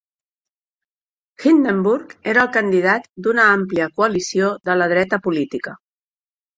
Hindenburg era el candidat d'una àmplia coalició de la dreta política.